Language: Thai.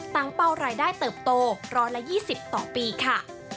เป้ารายได้เติบโต๑๒๐ต่อปีค่ะ